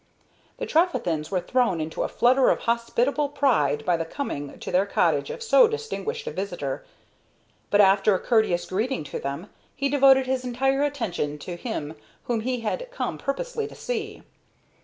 The Trefethens were thrown into a flutter of hospitable pride by the coming to their cottage of so distinguished a visitor, but, after a courteous greeting to them, he devoted his entire attention to him whom he had come purposely to see.